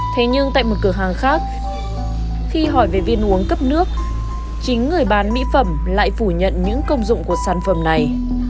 thế nhưng tại một cửa hàng khác khi hỏi về viên uống cấp nước chính người bán mỹ phẩm lại phủ nhận những công dụng của sản phẩm này